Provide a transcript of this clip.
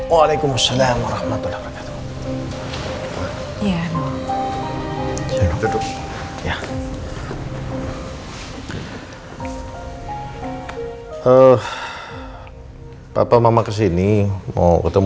assalamualaikum warahmatullahi wabarakatuh